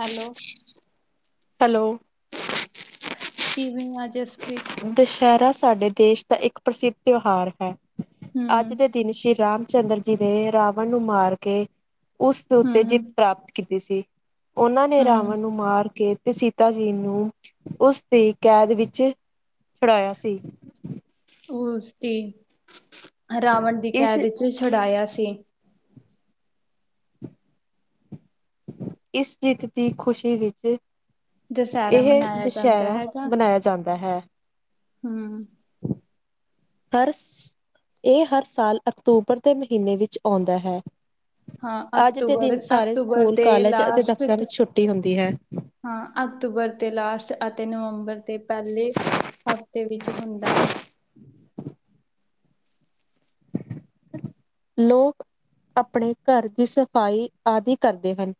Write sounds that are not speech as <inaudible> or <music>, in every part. Hello hello ਕੀ। ਮੈਨੂੰ ਆ ਜਸ। ਦੁਸਹਿਰਾ ਸ ਸਾਡੇ ਦੇਸ਼ ਦਾ ਇੱਕ ਪ੍ਰਸਿੱਧ ਤਿਉਹਾਰ ਹੈ। ਅੱਜ ਹੂੰ, ਦੇ ਦਿਨ ਸ਼੍ਰੀ ਰਾਮ ਚੰਦਰ ਜੀ ਦੇ ਰਾਵਣ ਨੂੰ ਮਾਰ ਕੇ। ਉਸ ਦੇ ਉੱਤੇ ਜਿੱਤ ਹੂੰ, ਪ੍ਰਾਪਤ ਕੀ ਤੀ ਸੀ। ਉਹਨਾਂ ਨੇ ਰਾਵਣ ਹੂੰ। ਨੂੰ ਮਾਰ ਕੇ। ਤੇ ਸੀਤਾ ਜੀ ਨੂੰ ਉਸ ਦੀ ਕੈਦ ਵਿੱਚ। ਛੁਡਾਇਆ ਸੀ ਉਹ ਤੇ <unintelligible> ਰਾਵ ਵਣ ਦੀ ਇਸ ਕੈਦ ਵਿੱਚੋਂ ਛੁਡਾਇਆ ਸ ਤੇ। ਇਸ ਜਿੱਤ ਦੀ ਖ਼ੁਸ਼ੀ ਵਿੱਚ। ਦੁਸਹਿਰਾ ਇਹ ਮਨਾਇਆ ਜਾਂਦਾ ਦੁਸਹਿਰਾ ਹੈਗਾ। ਬਣਾਇਆ ਜਾਂਦਾ ਹੈ। ਹੂੰ। <inaudible> ਹਰ ਸ ਇਹ ਹਰ ਸਾਲ ਅਕਤੂਬਰ ਦੇ ਮਹੀਨੇ ਵਿੱਚ ਆਉਂਦਾ ਹੈ। ਹਾਂ ਅੱਜ ਦੇ ਅਕਤੂਬਰ ਦਿਨ ਸਾਰੇ ਅਕਤੂਬਰ ਸਕੂਲ ਤੇ ਕਾਲਜ ਅਤੇ ਲਾਸਟ ਦਫ਼ਤਰਾਂ ਤ ਵਿੱਚ ਛੁੱਟੀ ਹੁੰਦੀ ਹੈ। ਹਾਂ ਅਕਤੂਬਰ ਤੇ ਲਾਸਟ ਅਤੇ ਨਵੰਬਰ ਦੇ ਪਹਿਲੇ ਹਫ਼ਤੇ। ਵਿੱਚ ਹੁੰਦਾ ਹੈ। <unintelligible> <unintelligible> ਲੋਕ ਆਪਣੇ ਘਰ ਦੀ ਸਫ਼ਾਈ ਆਦੀ ਕਰਦੇ ਹਨ।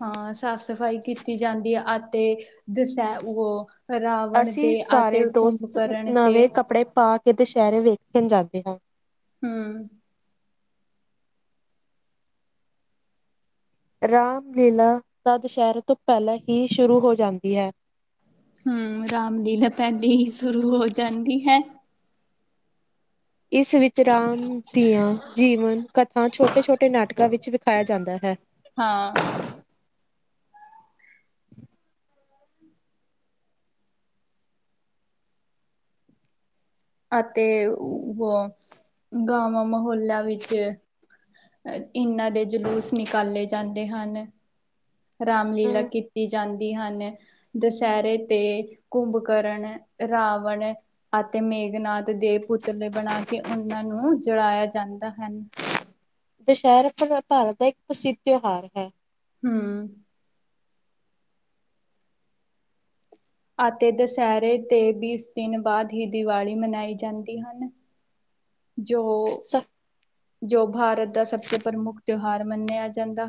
ਹਾਂ ਸਾਫ਼ ਸਫ਼ਾਈ ਕੀਤੀ ਜਾਂਦੀ ਅਤੇ ਦਸਹਿ ਉਹ। ਰਾਵਣ ਅਸੀਂ ਦੇ ਸਾਰੇ ਅਤੇ ਦੋਸਤ ਕੁੰਭਕਰਨ ਤੇ ਨਵੇਂ ਕੱਪੜੇ ਪਾ ਕੇ ਦੁਸਹਿਰੇ ਵੇ ਵੇਖਣ ਜਾਂਦੇ ਹਾਂ। ਹੂੰ। ਰਾਮਲੀਲਾ ਤਾਂ ਦੁਸਹਿਰੇ ਤੋਂ ਪਹਿਲਾਂ ਹੀ ਸ਼ੁਰੂ ਹੋ ਜਾਂਦੀ ਹੈ। ਹੂੰ ਰਾਮਲੀਲਾ ਪਹਿਲੀ ਹੀ ਸ਼ੁਰੂ ਹੋ ਜਾਂਦੀ ਹੈ। ਇਸ ਵਿੱਚ ਰਾਮ ਦੀਆਂ ਜੀਵਨ ਕਥਾ ਛੋਟੇ ਛੋਟੇ ਨਾਟਕਾਂ ਵਿੱਚ ਵਿਖਾਇਆ ਜਾਂਦਾ ਹੈ। ਹਾਂ। ਅੱਜ। ਤੇ ਉਹ। ਗਾਵਾਂ ਮਾਹੌਲ <inaudible> ਲੱਲਾ ਵਿੱਚਚ <inaudible> ਅ ਇਹਨਾਂ ਦੇ ਜਲੂਸ ਨਿਕਾਲੇ ਜਾਂਦੇ ਹਨ ਰਾਮ ਲੀਲਾ ਹੂੰ, ਕੀਤੀ ਜਾਂਦੀ ਆ। ਦੁਸਹਿਰੇ 'ਤੇ ਕੁੰਭਕਰਣ, ਰਾਵਣ ਅਤੇ ਮੇਘਨਾਥ ਦੇ ਪੁਤਲੇ ਬਣਾ ਕੇ ਉਹਨਾਂ ਨੂੰ ਜਲਾਇਆ ਜਾਂਦਾ ਹੈ। ਦੁਸਹਿਰਾ ਭਾਰਤ ਦਾ ਇੱਕ ਪ੍ਰਸਿੱਧ ਤਿਉਹਾਰ ਹੈ। ਹੂੰ, ਅਤੇ ਦੁਸਹਿਰੇ ਦੇ ਵੀਹ ਦਿਨ ਬਾਅਦ ਹੀ ਦੀਵਾਲੀ ਮਨਾਈ ਜਾਂਦੀ ਹੈ। ਜੋ ਸ ਜੋ ਭਾ ਸਭ ਤੋਂ ਪ੍ਰਮੁੱਖ। ਮੰਨਿਆ ਜਾਂਦਾ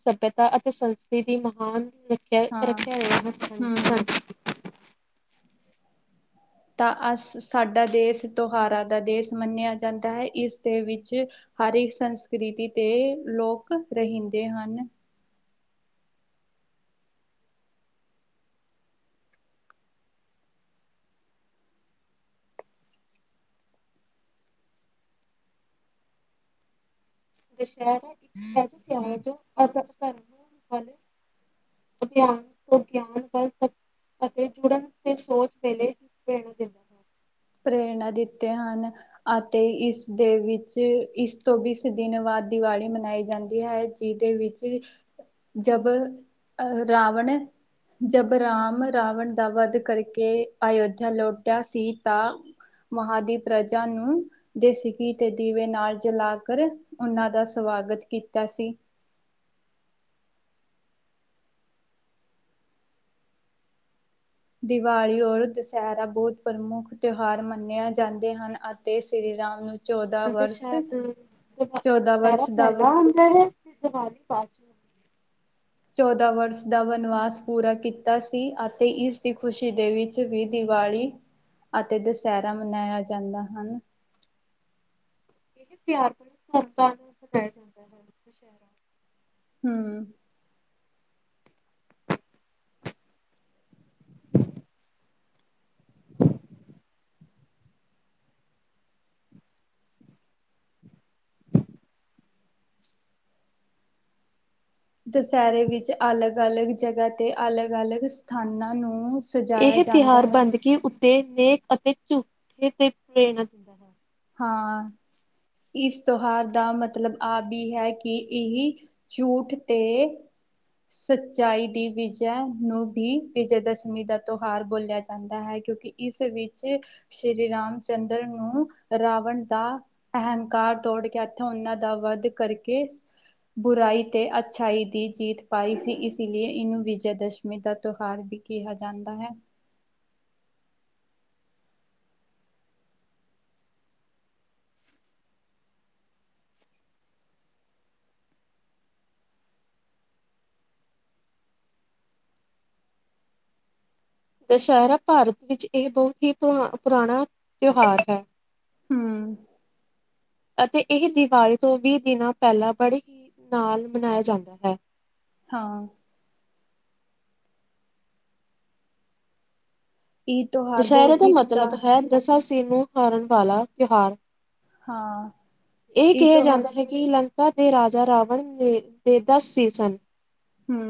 ਸਭਿਅਤਾ ਅਤੇ ਸੰਸਕ੍ਰਿਤੀ ਦੀ ਮਹਾਨ। ਰੱਖਿਆ <inaudible> ਹਾਂ ਹੂੰ ਤਾਂ ਅਸ ਸਾਡਾ ਦੇਸ਼ ਤਿਉਹਾਰਾਂ ਦਾ ਦੇਸ਼ ਮੰਨਿਆ ਜਾਂਦਾ ਏ। ਇਸ ਦੇ ਵਿੱਚ ਹਰ ਇੱਕ ਸੰਸਕ੍ਰਿਤੀ ਦੇ ਲੋਕ ਰਹਿੰਦੇ ਹਨ। ਜ <inaudible> ਇੱਕਜ ਤਰ ਜੋ <inaudible> ਧਰਮਾਂ ਵੱਲ ਅਭਿਆਨ ਤੋਂ ਗਿਆਨ ਵੱਲ ਅਤੇ ਜੁੜਨ ਤੇ ਸੋਚ ਵੇਲੇ ਭੇਣ ਦਦਾ ਹੈ <inaudible> ਪ੍ਰੇਰਨਾ ਦਿੱਤੇ ਹਨ ਅਤੇ ਇਸਦੇ ਵਿੱਚ ਇਸ ਤੋਂ ਬ ਦਿਨ ਬਾਅਦ ਦੀਵਾਲੀ ਮਨਾਈ ਜਾਂਦੀ ਹੈ ਜਿਹਦੇ ਵਿੱਚ ਜਬ ਅਹ ਰਾਵਣ ਜਬ ਰਾਮ ਰਾਵਣ ਦਾ ਵੱਧ ਕਰਕੇ ਅਯੋਧਿਆ ਲੁਟਿਆ ਸੀ ਤਾਂ ਵਹਾਂ ਦੀ ਪ੍ਰਜਾ ਨੇ ਦੇਸੀ ਘੀ ਦੇ ਦੀਵੇ ਨਾਲ ਜਲਾ ਕੇ ਉਹਨਾਂ ਦਾ ਸਵਾਗਤ ਕੀਤਾ ਸੀ। ਦੀਵਾਲੀ ਔਰ ਦੁਸਹਿਰਾ ਬਹੁਤ ਪ੍ਰਮੁੱਖ ਤਿਉਹਾਰ ਮੰਨਿਆ ਜਾਂਦੇ ਹਨ ਅਤੇ ਸ਼੍ਰੀ ਰਾਮ ਨੂੰ <inaudible> ਵਰਸ ਦੁਸਹਿ ਚੌਦਾਂ ਦੁਸਹਿਰਾ ਵਰਸ ਦਾ ਪਹਿਲਾ ਹੁੰਦਾ ਹੈ <inaudible> ਵੀ ਬਾਸ਼ੀ ਹੁੰਦੀ ਹੈ <inaudible> ਚੌਦਾਂ ਵਰਸ ਦਾ ਵਨਵਾਸ ਪੂਰਾ ਕੀਤਾ ਸੀ ਅਤੇ ਇਸ ਦੀ ਖੁਸ਼ੀ ਦੇ ਵਿੱਚ ਵੀ ਦੀਵਾਲੀ ਅਤੇ ਦੁਸਹਿਰਾ ਮਨਾਇਆ ਜਾਂਦਾ ਹੈ। ਇਹ ਪਿਆਰ ਬਣੇ ਧੂਮ ਧਾਮ ਨੂੰ ਮਨਾਇਆ ਜਾਂਦਾ ਹੈ ਦੁਸਹਿ <inaudible> ਹਮ। ਦੁਸਹਿਰੇ ਵਿੱਚ ਅਲੱਗ ਅਲੱਗ ਜਗ੍ਹਾ 'ਤੇ ਅਲੱਗ ਅਲੱਗ ਸਥਾਨਾਂ ਨੂੰ। ਸਜਾਇਆ ਇਹ ਜਾਂਦਾ ਤਿਉਹਾਰ ਹੈ <inaudible> ਤੇ ਨੇਕ ਅਤੇ ਝੂਠੇ ਤੇ ਪ੍ਰੇਰਨਾ ਦਿੰਦਾ ਹੈ <inaudible> ਹਾਂ ਜੀ, ਇਸ ਤਿਉਹਾਰ ਦਾ ਮਤਲਬ ਇਹ ਵੀ ਹੈ ਕਿ ਇਹ ਝੂਠ 'ਤੇ ਸੱਚਾਈ ਦੀ ਜਿੱਤ ਦਾ ਪ੍ਰਤੀਕ ਹੈ। ਇਸ ਨੂੰ ਵਿਜੇ ਦਸ਼ਮੀ ਦਾ ਤਿਉਹਾਰ ਵੀ ਕਿਹਾ ਜਾਂਦਾ ਹੈ, ਕਿਉਂਕਿ ਇਸ ਵਿੱਚ ਸ਼੍ਰੀ ਰਾਮ ਚੰਦਰ ਜੀ ਨੇ ਰਾਵਣ ਉੱਤੇ ਜਿੱਤ ਪ੍ਰਾਪਤ ਕੀਤੀ ਸੀ। ਰਾਵਣ ਦਾ ਅਹੰਕਾਰ ਤੋੜ ਕੇ, ਇੱਥੇ ਉਹਨਾਂ ਦਾ ਵੱਧ ਕਰਕੇ ਬੁਰਾਈ ਤੇ ਅੱਛਾਈ ਦੀ ਜਿੱਤ ਪਾਈ ਸੀ। ਇਸ ਕਰਕੇ ਇਸਨੂੰ ਵਿਜੈ ਦਸ਼ਮੀ ਦਾ ਤਿਉਹਾਰ ਵੀ ਕਿਹਾ ਜਾਂਦਾ ਹੈ। ਦੁਸਹਿਰਾ ਭਾਰਤ ਵਿੱਚ ਇੱਕ ਬਹੁਤ ਹੀ ਪੁਰਾਣਾ ਤਿਉਹਾਰ ਹੈ। ਹਮ ਅਤੇ ਇਹ ਦੀਵਾਲੀ ਤੋਂ ਵੀਹ ਦਿਨ ਪਹਿਲਾਂ ਬੜੇ ਹੀ ਚਾਅ ਨਾਲ ਮਨਾਇਆ ਜਾਂਦਾ ਹੈ। ਹਾਂ ਇਹ ਤਿਉਹਾਰ ਦੁਸਹਿਰੇ ਬਹੁਤ ਦਾ ਹੀ ਤਾਂ ਮਤਲਬ ਹੈ ਦਸਾ ਸੀਰ ਨੂੰ ਹਾਰਨ ਵਾਲਾ ਤਿਉਹਾਰ ਹਾਂ <inaudible> ਇਹ ਕਿਹਾ ਜਾਂਦਾ ਹੈ ਕਿ ਦੇ ਰਾਜਾ ਰਾਵਣ ਨੇ ਦੇ ਹੂੰ,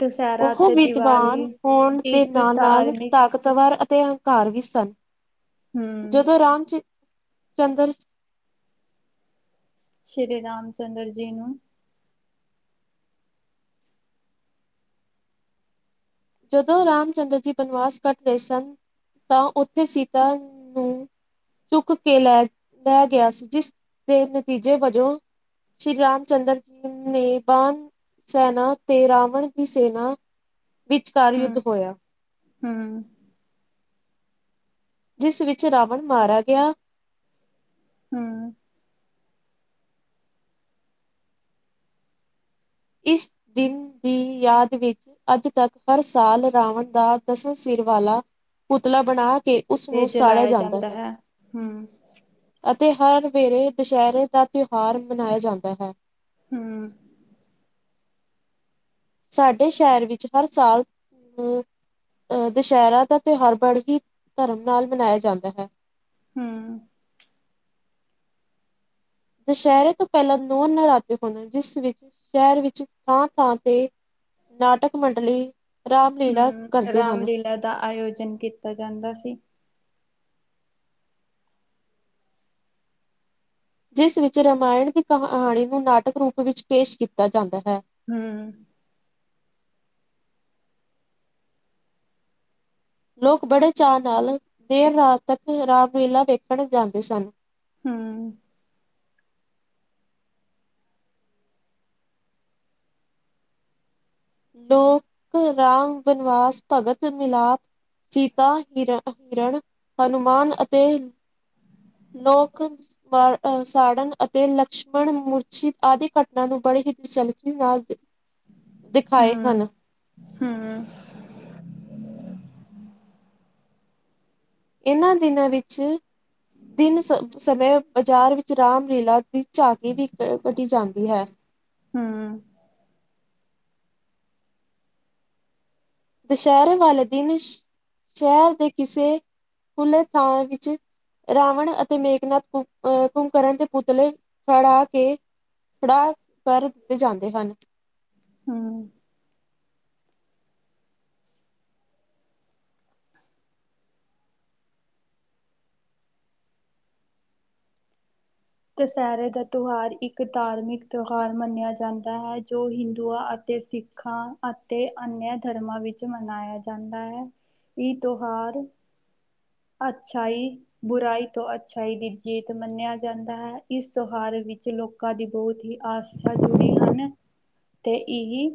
ਦੁਸਹਿਰਾ ਉਹ ਅਤੇ ਦੀਵਾਲੀ ਵਿਦਵਾਨ ਹੋਣ ਦੇ ਇੱਕ ਨਾਲ ਨਾਲ ਧਾਰਮਿਕ ਤਾਕਤਵਰ ਅਤੇ। ਤੇ ਹੰਕਾਰ ਵੀ ਸਨ। ਹਮ ਜਦੋਂ ਰਾਮ ਜੀ ਚੰਦਰ। ਸ਼੍ਰੀ ਰਾਮ ਚੰਦਰ ਜੀ ਨੂੰ? ਜਦੋਂ ਰਾਮ ਚੰਦਰ ਜੀ ਬਨਵਾਸ ਕੱਟ ਰਹੇ ਸਨ ਤਾਂ ਉੱਥੇ ਸੀਤਾ ਨੂੰ ਚੁੱਕ ਕੇ ਲੈ ਲੈ ਗਿਆ ਸੀ ਜਿਸ ਦੇ ਨਤੀਜੇ ਵਜੋਂ ਸ਼੍ਰੀ ਰਾਮ ਚੰਦਰ ਜੀ ਨੇ ਬਣ ਸੈਨਾ ਤੇ ਰਾਵਣ ਦੀ ਸੈਨਾ। ਵਿਚਕਾਰ ਹੂੰ ਯੁੱਧ ਹੋਇਆ। ਹੂੰ। ਜਿਸ ਵਿੱਚ ਰਾਵਣ ਮਾਰਿਆ ਗਿਆ। ਹੂੰ। ਇਸ ਦਿਨ ਦੀ ਯਾਦ ਵਿੱਚ ਅੱਜ ਤੱਕ ਹਰ ਸਾਲ ਰਾਵਣ ਦਾ ਦਸਾ ਸਿਰ ਵਾਲਾ ਪੁਤਲਾ ਬਣਾ ਕੇ। ਤੇ ਇਹ ਜਲਾਇਆ ਜਾਂਦਾ ਹੈ। ਅਤੇ ਹਰ ਵੇਲੇ ਦੁਸਹਿਰੇ ਦਾ ਤਿਉਹਾਰ ਮਨਾਇਆ ਜਾਂਦਾ ਹੈ। ਹੂੰ। ਸਾਡੇ ਸ਼ਹਿਰ ਵਿੱਚ ਹਰ ਸਾਲ ਅਹ ਅਹ ਦੁਸਹਿਰਾ ਦਾ ਤਿਉਹਾਰ ਬੜ ਹੀ ਧਰਮ ਨਾਲ ਮਨਾਇਆ ਜਾਂਦਾ ਹੈ। ਹੂੰ। ਦੁਸਹਿਰੇ ਤੋਂ ਪਹਿਲਾਂ ਨੌ ਨਰਾਤੇ ਹਨ ਜਿਸ ਵਿੱਚ ਸ਼ਹਿਰ ਵਿੱਚ ਥਾਂ ਥਾਂ ਤੇ ਨਾਟਕ ਮੰਡਲੀ। ਰਾਮਲੀਲਾ ਹੂੰ ਕਰਦੇ ਹਨ। ਰਾਮਲੀਲਾ ਦਾ ਆਯੋਜਨ। ਕੀਤਾ ਜਾਂਦਾ ਸੀ। ਜਿਸ ਵਿੱਚ ਰਾਮਾਇਣ ਦੀ ਕਹਾਣੀ ਨੂੰ ਨਾਟਕ ਰੂਪ ਵਿੱਚ ਪੇਸ਼ ਕੀਤਾ ਜਾਂਦਾ। ਹੈ। ਹੂੰ। ਲੋਕ ਬੜੇ ਚਾਅ ਨਾਲ ਦੇਰ ਰਾਤ ਤੱਕ ਰਾਮਲੀਲਾ ਵੇਖਣ ਜਾਂਦੇ ਸਨ। ਹੂੰ। <inaudible> ਦਿਖਾਏ ਹੂੰ ਹਨ। ਹੂੰ। ਇਹਨਾਂ ਦਿਨਾਂ ਵਿੱਚ ਦਿਨ ਸ ਸਮੇਂ ਬਾਜ਼ਾਰ ਵਿੱਚ ਰਾਮਲੀਲਾ ਦੀ ਝਾਕੀ ਵੀ ਕ ਕੱਟੀ ਜਾਂਦੀ ਹੈ। ਹੂੰ। ਦੁਸਹਿਰੇ ਵਾਲੇ ਦਿਨ ਸ਼ਹਿਰ ਦੇ ਕਿਸੇ ਖੁੱਲੇ ਥਾਂ ਵਿੱਚ ਰਾਵਣ ਅਤੇ ਮੇਘਨਾਥ ਕ ਅਹ ਕੁੰਭਕਰਨ ਦੇ ਪੁਤਲੇ ਖੜਾ ਕੇ ਖੜਾ ਕਰ ਦਿੱਤੇ ਜਾਂਦੇ ਹਨ। ਹੂੰ। ਦੁਸਹਿਰੇ ਦਾ ਤਿਉਹਾਰ ਇੱਕ ਧਾਰਮਿਕ ਤਿਉਹਾਰ ਮੰਨਿਆ ਜਾਂਦਾ ਹੈ, ਜੋ ਹਿੰਦੂਆਂ ਅਤੇ ਸਿੱਖਾਂ ਅਤੇ ਅਨਿਆ ਧਰਮਾਂ ਵਿੱਚ ਮਨਾਇਆ ਜਾਂਦਾ ਹੈ ਇਹ ਤਿਉਹਾਰ ਅੱਛਾਈ ਬੁਰਾਈ ਤੋਂ ਅੱਛਾਈ ਦੀ ਜੀਤ ਮੰਨਿਆ ਜਾਂਦਾ ਹੈ ਇਸ ਤਿਉਹਾਰ ਵਿੱਚ ਲੋਕਾਂ ਦੀ ਬਹੁਤ ਹੀ ਆਸਥਾ ਜੁੜੀ ਹਨ ਤੇ ਇਹ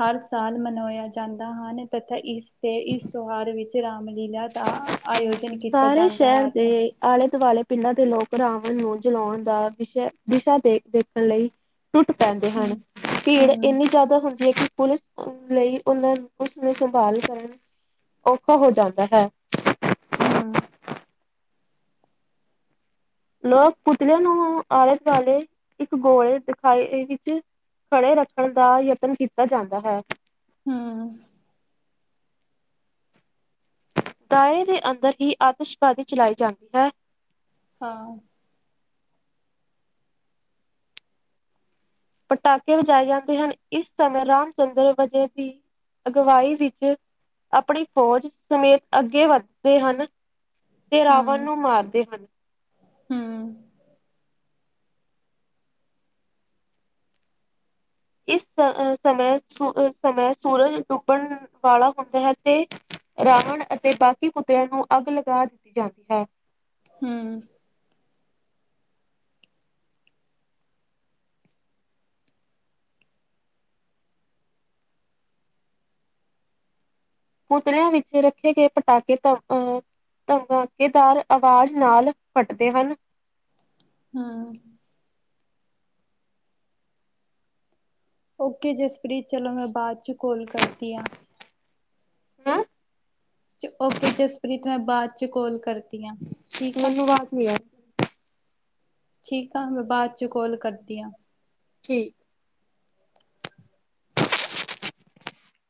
ਹਰ ਸਾਲ ਮਨਾਇਆ ਜਾਂਦਾ ਹਨ ਤਥਾ ਇਸ ਤੇ ਇਸ ਤਿਉਹਾਰ ਵਿੱਚ ਰਾਮਲੀਲਾ ਦਾ ਆਯੋਜਨ ਕੀਤਾ ਸਾਰੇ ਜਾਂਦਾ ਸ਼ਹਿਰ ਹੈ ਤੇ ਦੇ ਆਲ਼ੇ ਦੁਆਲੇ ਪਿੰਡਾਂ ਦੇ ਲੋਕ ਰਾਵਣ ਨੂੰ ਜਲਾਉਣ ਦਾ ਵਿਸ਼ਾ- ਵਿਸ਼ਾ ਦੇ ਦੇਖਣ ਲਈ ਟੁੱਟ ਪੈਂਦੇ ਹਨ, ਹੂੰ ਭੀੜ ਹੂੰ ਇੰਨੀ ਜ਼ਿਆਦਾ ਹੁੰਦੀ ਹੈ ਕਿ ਪੁਲਿਸ ਲਈ ਉਹਨਾਂ ਉਸ ਨੂੰ ਸੰਭਾਲ ਕਰਨਾ ਔਖਾ ਹੋ ਜਾਂਦਾ ਹੈ। ਹੂੰ। ਲੋਕ ਪੁਤਲਿਆਂ ਨੂੰ ਆਲੇ- ਦੁਆਲੇ ਇੱਕ ਗੋਲੇ ਦਿਖਾਈ ਦੇ ਵਿੱਚ ਖੜੇ ਰੱਖਣ ਦਾ ਯਤਨ ਕੀਤਾ ਜਾਂਦਾ ਹੈ। ਹੂੰ। ਦਾਇਰੇ ਦੇ ਅੰਦਰ ਹੀ ਆਤਿਸ਼ਬਾਦੀ ਚਲਾਈ ਜਾਂਦੀ ਹੈ। ਹਾਂ। ਪਟਾਕੇ ਵਜਾਏ ਜਾਂਦੇ ਹਨ, ਇਸ ਸਮੇਂ ਰਾਮ ਚੰਦਰ ਵਜੇ ਦੀ ਅਗਵਾਈ ਵਿੱਚ ਆਪਣੀ ਫ਼ੌਜ ਸਮੇਤ ਅੱਗੇ ਵੱਧਦੇ ਹਨ। ਤੇ ਰਾਵਣ ਹੂੰ ਨੂੰ ਮਾਰਦੇ ਹਨ। ਹੂੰ, ਇਸ ਸਮੇਂ- ਸਮੇਂ ਸੂਰਜ ਡੁੱਬਣ ਵਾਲਾ ਹੁੰਦਾ ਹੈ, ਤੇ ਰਾਵਣ ਅਤੇ ਬਾਕੀ ਪੁਤਲਿਆਂ ਨੂੰ ਅੱਗ ਲਗਾ ਦਿੱਤੀ ਜਾਂਦੀ ਹੈ। ਹੂੰ, ਪੁਤਲਿਆਂ ਵਿੱਚੇ ਰੱਖੇ ਗਏ ਪਟਾਕੇ ਧ ਅਹ ਧਮਾਕੇਦਾਰ ਆਵਾਜ਼ ਨਾਲ ਫਟਦੇ ਹਨ। ਹੂੰ, ਓਕੇ ਜਸਪ੍ਰੀਤ ਚਲੋ ਮੈਂ ਬਾਅਦ ਚ ਕੋਲ ਕਰਦੀ ਆ। ਮੈਂ ਓਕੇ ਜਸਪ੍ਰੀਤ ਮੈਂ ਬਾਅਦ ਚ ਕੋਲ ਕਰ ਮੈਨੂੰ ਆਵਾਜ਼ ਨੀ ਆ ਰਹੀ। ਠੀਕ ਆ ਮੈਂ ਬਾਅਦ ਚ ਕੋਲ ਕਰਦੀ ਆਂ। ਠੀਕ,